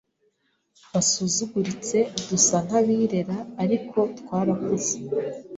basuzuguritse, dusa nk’abirera ariko twarakuze